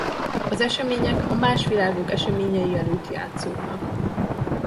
Az események a Másvilágok eseményei előtt játszódnak.